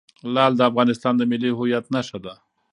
لعل د افغانستان د ملي هویت نښه ده.